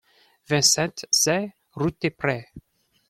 vingt-sept C route des Prés